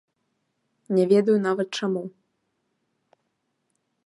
Не ведаю нават чаму.